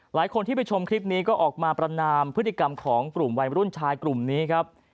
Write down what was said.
หลายคนที่ไปชมคลิปนี้ก็ออกมาประนามพฤติกรรมของกลุ่มวัยรุ่นชายกลุ่มนี้ครับ